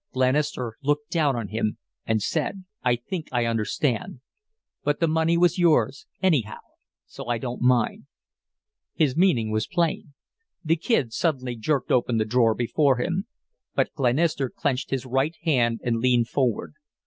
Glenister looked down on him and said: "I think I understand; but the money was yours, anyhow, so I don't mind." His meaning was plain. The Kid suddenly jerked open the drawer before him, but Glenister clenched his right hand and leaned forward.